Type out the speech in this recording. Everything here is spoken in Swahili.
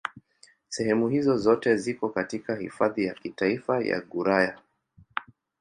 Sehemu hizo zote ziko katika Hifadhi ya Kitaifa ya Gouraya.